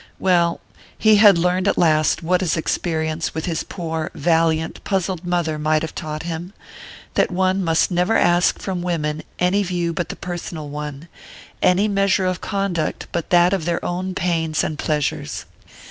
Well he had learned at last what his experience with his poor, valiant, puzzled mother might have taught him: that one must never ask from women any view but the personal one, any measure of conduct but that of their own pains and pleasures.